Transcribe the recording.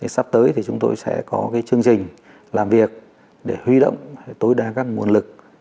sắp tới thì chúng tôi sẽ có cái chương trình làm việc để huy động tối đa các nguồn lực